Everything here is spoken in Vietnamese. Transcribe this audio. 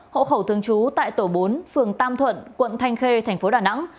hộ khẩu thường trú tại tổ bốn phường tam thuận quận thanh khê thành phố đà nẵng